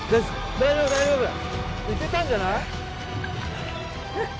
大丈夫大丈夫行けたんじゃない。